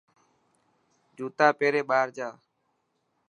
جوتا پيري ٻاهر جا.